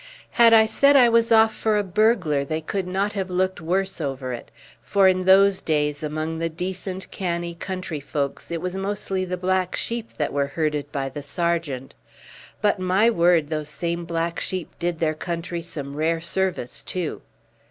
Had I said I was off for a burglar they could not have looked worse over it, for in those days among the decent canny country folks it was mostly the black sheep that were herded by the sergeant. But, my word, those same black sheep did their country some rare service too.